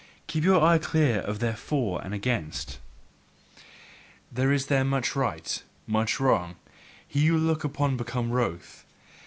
Keep your eye clear of their For and Against! There is there much right, much wrong: he who looketh on becometh wroth.